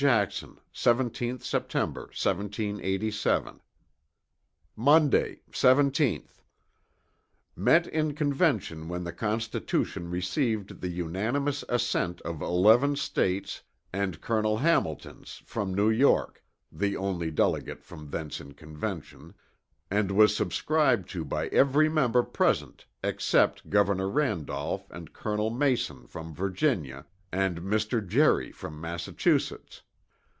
JACKSON, 17th Sept., 1787." "MONDAY, 17th. "Met in Convention when the Constitution received the unanimous assent of 11 States and Col'n Hamilton's, from New York (the only delegate from thence in Convention) and was subscribed to by every Member present except Gov'r Randolph and Col'n Mason from Virginia & Mr. Gerry from Massachusetts.